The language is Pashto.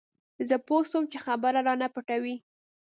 زه پوه سوم چې خبره رانه پټوي.